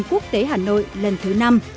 quốc tế hà nội lần thứ năm